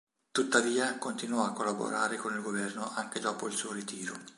Tuttavia, continuò a collaborare con il governo anche dopo il suo ritiro.